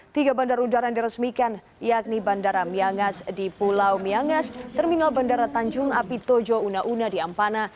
tiga bandar udara yang diresmikan yakni bandara miangas di pulau miangas terminal bandara tanjung api tojo una una di ampana